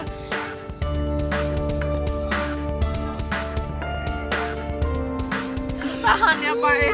tahan ya pak ya